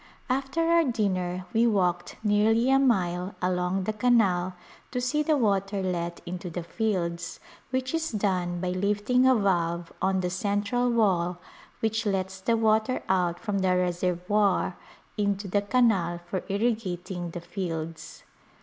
After our dinner we walked nearly a mile along the canal to see the water let into the fields, which is done by hfting a valve on the central wall which lets the water out from the reservoir into the canal for irrigat ing the fields.